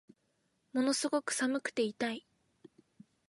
ものすごく寒くて痛い